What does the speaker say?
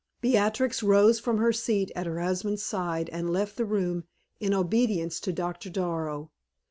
Beatrix rose from her seat at her husband's side and left the room in obedience to Doctor Darrow.